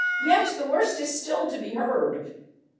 Yet the worst is still to be heard.